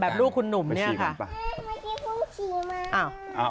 อ๋อแบบลูกคุณหนุ่มเนี่ยค่ะ